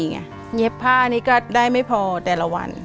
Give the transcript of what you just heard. เย็บผ้านี่ก็ได้ไม่พอแต่ละวัน